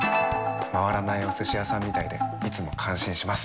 回らないお寿司屋さんみたいでいつも感心します。